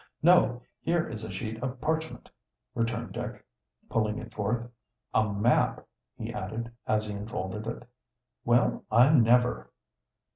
"No, here is a sheet of parchment," returned Dick, pulling it forth. "A map!" he added, as he unfolded it. "Well, I never!"